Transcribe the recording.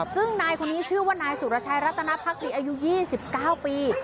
ซึ่งนายคนนี้ชื่อว่านายสุรชัยรัตนภักดีอายุ๒๙ปี